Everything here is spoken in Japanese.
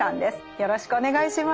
よろしくお願いします。